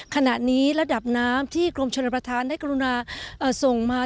ขณะนี้ระดับน้ำที่กรมชนประธานได้กรุณาส่งมา